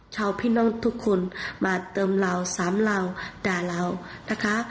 ชาวพี่น้องทุกคนมาเติมเราสามเหล่าด่าเรานะคะ